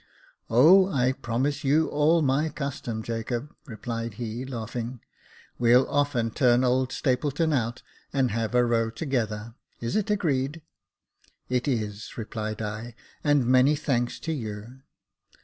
" O, I promise you all my custom, Jacob," replied he, laughing. " We'll often turn old Stapleton out, and have a row together. Is it agreed ?"" It is," replied I ;" and many thanks to you."